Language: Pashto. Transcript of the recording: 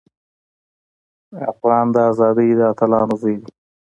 افغان د ازادۍ د اتلانو زوی دی.